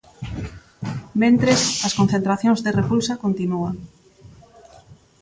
Mentres, as concentracións de repulsa continúan.